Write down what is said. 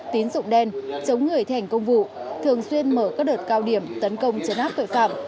tín dụng đen chống người thi hành công vụ thường xuyên mở các đợt cao điểm tấn công chấn áp tội phạm